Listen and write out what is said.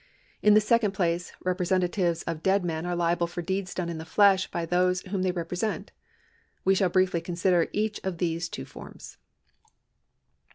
In the second place, representatives of dead men are liable for deeds done in the flesh by those whom they represent. We shall briefly consider each of these two forms.